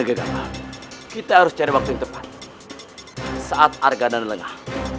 kita harus cari waktu yang tepat saat argana lengah